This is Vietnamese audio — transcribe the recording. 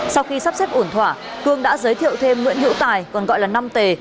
sau khi sắp xếp ổn thỏa cương đã giới thiệu thêm nguyễn hữu tài còn gọi là năm t